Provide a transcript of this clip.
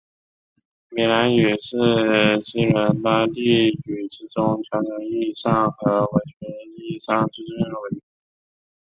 米兰语是西伦巴第语之中传统意义上和文学意义上最重要的语言。